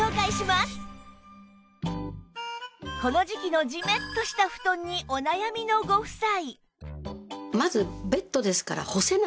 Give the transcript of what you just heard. この時季のジメッとした布団にお悩みのご夫妻